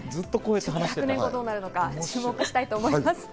今後どうなるのか注目したいと思います。